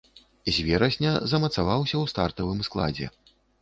З верасня замацаваўся ў стартавым складзе.